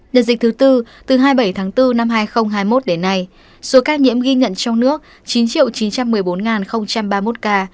đợt dịch thứ tư từ hai mươi bảy tháng bốn năm hai nghìn hai mươi một đến nay số ca nhiễm ghi nhận trong nước chín chín trăm một mươi bốn ba mươi một ca